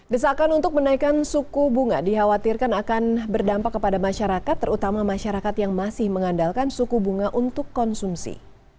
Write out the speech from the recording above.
desakan untuk menaikkan suku bunga dikhawatirkan akan berdampak kepada masyarakat terutama masyarakat yang masih mengandalkan suku bunga untuk konsumsi